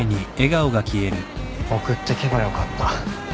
送ってけばよかった。